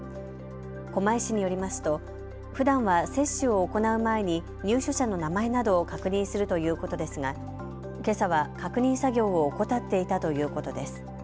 狛江市によりますとふだんは接種を行う前に入所者の名前などを確認するということですがけさは確認作業を怠っていたということです。